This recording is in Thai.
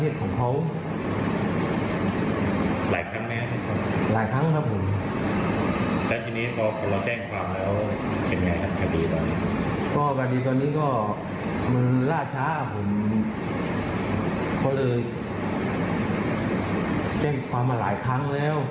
ตอนนี้ก็มันล่าช้าผมก็เลยเต้นความมาหลายครั้งแล้ว